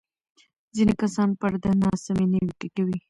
ځینې کسان پر ده ناسمې نیوکې کوي.